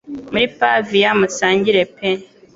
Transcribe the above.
Muri Pavia musangire pe